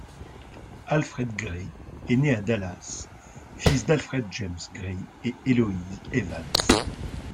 Alfred Gray est né à Dallas fils d'Alfred James Gray et Eloise Evans.